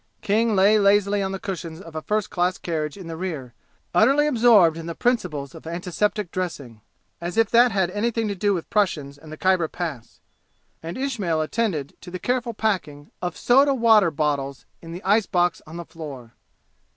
King lay lazily on the cushions of a first class carriage in the rear, utterly absorbed in the principles of antiseptic dressing, as if that had anything to do with Prussians and the Khyber Pass; and Ismail attended to the careful packing of soda water bottles in the ice box on the floor.